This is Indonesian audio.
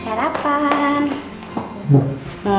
sarapan dulu yuk